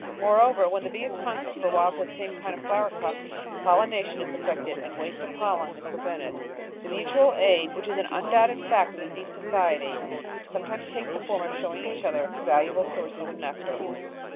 Moreover, when the bee is constant for a while to the same kind of flower cups, pollination is effected and waste of pollen is prevented. The mutual aid which is an imdoubted fact in the bee society sometimes takes the form of showing each other val uable sources of nectar.